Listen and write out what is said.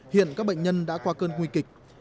hiện các bệnh nhân đã qua cơn nguy kịch